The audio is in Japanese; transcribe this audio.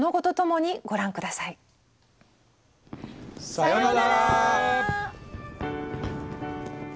さようなら！